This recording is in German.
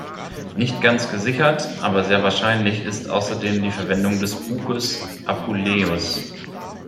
Nicht ganz gesichert, aber sehr wahrscheinlich ist außerdem die Verwendung des Buches 'Apuleius.